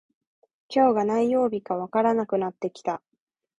今日が何曜日かわからなくなってきた